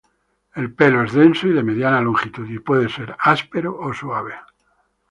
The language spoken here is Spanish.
El pelo, es denso y de mediana longitud, y puede ser áspero o suave.